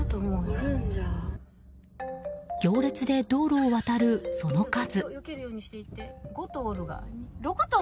行列で道路を渡る、その数。